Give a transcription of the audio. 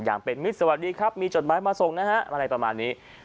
อย่างเป็นมิตรสวัสดีครับมีจดหมายมาส่งนะฮะอะไรประมาณนี้